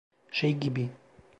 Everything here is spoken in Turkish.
Şey gibi...